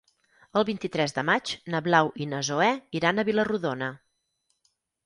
El vint-i-tres de maig na Blau i na Zoè iran a Vila-rodona.